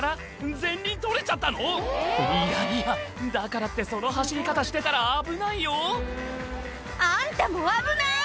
前輪取れちゃったの⁉いやいやだからってその走り方してたら危ないよあんたも危ない！